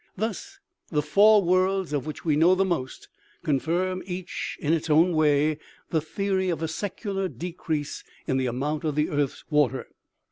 Thus, the four worlds of which we know the most, confirm, each in its own way, the theory of a secular decrease in the amount of the earth's water.